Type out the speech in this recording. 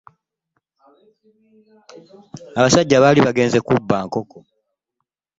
Abasajja bali bagenze kubba nkoko.